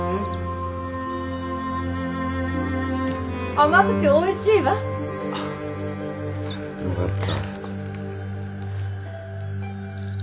甘くておいしいわ！よかった。